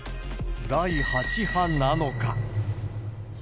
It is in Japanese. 第８波なのか。